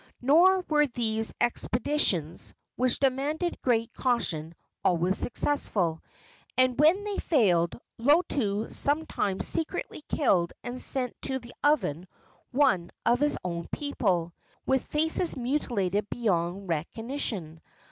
Nor were these expeditions, which demanded great caution, always successful; and when they failed, Lotu sometimes secretly killed and sent to the oven one of his own people, with faces mutilated beyond recognition.